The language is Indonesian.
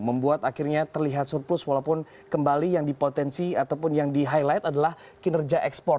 membuat akhirnya terlihat surplus walaupun kembali yang dipotensi ataupun yang di highlight adalah kinerja ekspor